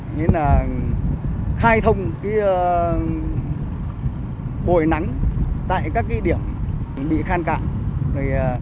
nghĩa là khai thông bồi nắng tại các điểm bị khan cạn